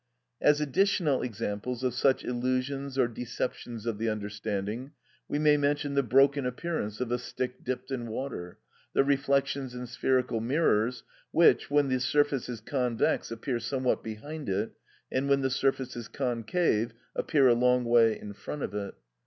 As additional examples of such illusions or deceptions of the understanding, we may mention the broken appearance of a stick dipped in water; the reflections in spherical mirrors, which, when the surface is convex appear somewhat behind it, and when the surface is concave appear a long way in front of it.